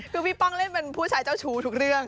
คือพี่ป้องเล่นเป็นผู้ชายเจ้าชู้ทุกเรื่อง